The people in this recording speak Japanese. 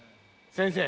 先生！